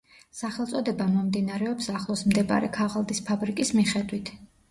სახელწოდება მომდინარეობს ახლოს მდებარე ქაღალდის ფაბრიკის მიხედვით.